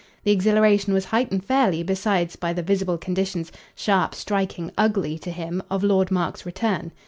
The exhilaration was heightened fairly, besides, by the visible conditions sharp, striking, ugly to him of Lord Mark's return.